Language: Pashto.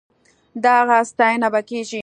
د هغه ستاينه به کېږي.